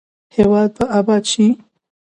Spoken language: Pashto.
هیواد به اباد شي؟